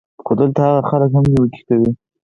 خو دلته هاغه خلک هم نېوکې کوي